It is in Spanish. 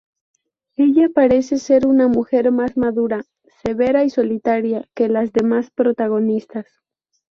Ella parece ser una mujer más madura, severa y solitaria que las demás protagonistas.